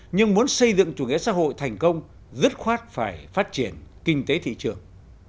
nhưng muốn xây dựng chủ nghĩa xã hội thành công dứt khoát phải phát triển kinh tế thị trường